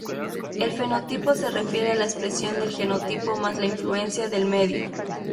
El fenotipo se refiere a la expresión del genotipo más la influencia del medio.